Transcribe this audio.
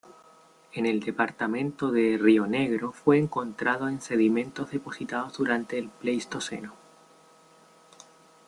En el departamento de Río Negro fue encontrado en sedimentos depositados durante el Pleistoceno.